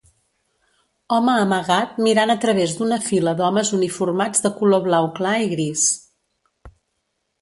Home amagat mirant a través d'una fila d'homes uniformats de color blau clar i gris.